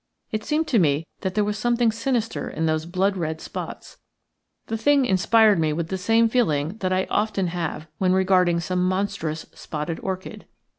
It seemed to me that there was something sinister in those blood red spots. The thing inspired me with the same feeling that I often have when regarding some monstrous spotted orchid.